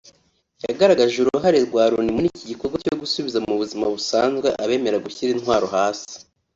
yagaragaje uruhare rwa Loni muri iki gikorwa cyo gusubiza mu buzima busanzwe abemera gushyira intwaro hasi